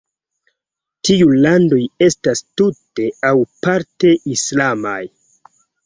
Tiu landoj estas tute aŭ parte islamaj.